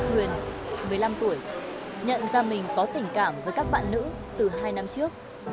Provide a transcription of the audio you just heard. huyền một mươi năm tuổi nhận ra mình có tình cảm với các bạn nữ từ hai năm trước